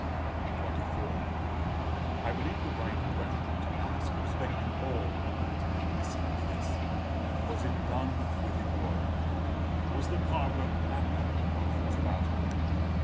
XXIV. I believe the right question to ask, respecting all ornament, is simply this: Was it done with enjoyment was the carver happy while he was about it?